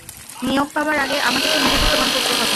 নিয়োগ পাবার আগে আমাকে তো নিজেকে প্রমাণ করতে হবে।